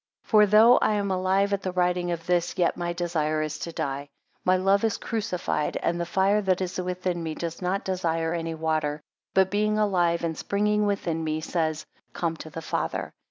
3 For though I am alive at the writing of this, yet my desire is to die. My love is crucified; and the fire that is within me does not desire any water; but being alive and springing within me, says, Come to the Father.